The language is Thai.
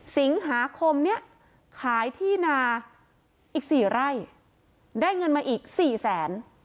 สิงหาคมเนี่ยขายที่นาอีก๔ไร่ได้เงินมาอีก๔แสน